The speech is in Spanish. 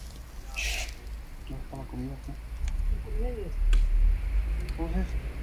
En la Asamblea Constituyente de Ecuador estuvo en cambio como partido minoritario.